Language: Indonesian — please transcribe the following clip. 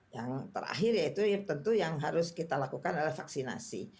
yang terakhir yaitu tentu yang harus kita lakukan adalah vaksinasi